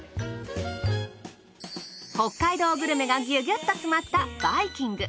北海道グルメがギュギュッと詰まったバイキング。